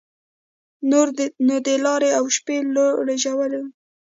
نور نو د لارې او شپې لوړې ژورې وې.